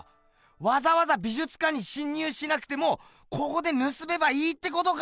わざわざ美術館に侵入しなくてもここでぬすめばいいってことか！